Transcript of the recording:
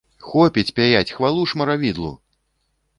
Хопіць пяяць хвалу шмаравідлу!